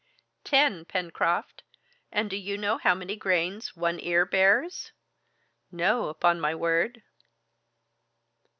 "Ten, Pencroft! And do you know how many grains one ear bears?" "No, upon my word."